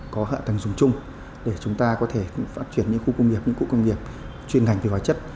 có hạ tầng dùng chung để chúng ta có thể phát triển những khu công nghiệp chuyên ngành về hóa chất